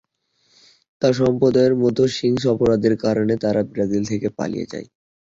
তাদের সম্প্রদায়ের মধ্যে সহিংস অপরাধের কারণে তারা ব্রাজিল থেকে পালিয়ে যায়।